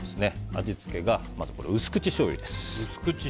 味付けが薄口しょうゆです。